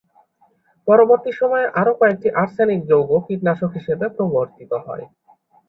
পরবর্তী সময়ে আরও কয়েকটি আর্সেনিক যৌগ কীটনাশক হিসেবে প্রবর্তিত হয়।